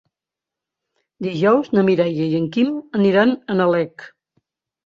Dijous na Mireia i en Quim aniran a Nalec.